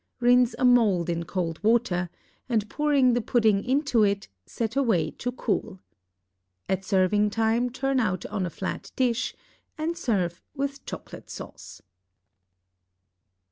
Rinse a mould in cold water, and pouring the pudding into it, set away to cool. At serving time turn out on a flat dish, and serve with chocolate sauce.